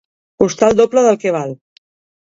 Costar el doble del que val.